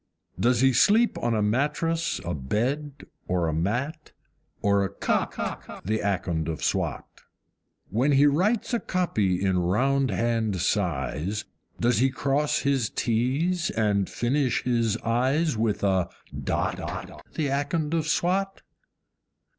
Does he sleep on a mattress, a bed, or a mat, or a COT, The Akond of Swat? When he writes a copy in round hand size, Does he cross his T's and finish his I's with a DOT, The Akond of Swat?